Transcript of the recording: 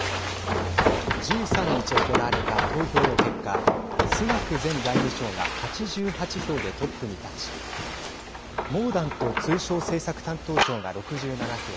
１３日、行われた投票の結果スナク前財務相が８８票でトップに立ちモーダント通商政策担当相が６７票